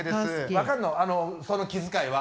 分かるのその気遣いは。